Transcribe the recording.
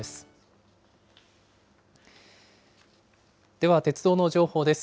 では、鉄道の情報です。